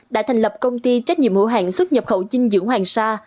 đã thành lập công ty trách nhiệm hữu hàng xuất nhập khẩu dinh dưỡng hoàng sa